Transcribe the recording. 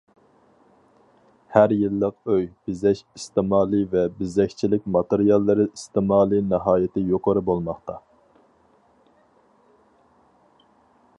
ھەر يىللىق ئۆي بېزەش ئىستېمالى ۋە بېزەكچىلىك ماتېرىياللىرى ئىستېمالى ناھايىتى يۇقىرى بولماقتا.